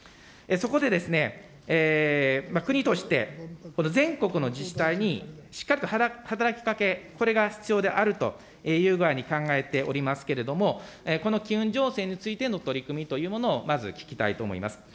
そこでですね、国として、全国の自治体にしっかりと働きかけ、これが必要であるという具合に考えておりますけれども、この機運醸成についての取り組みというものを、まず聞きたいと思います。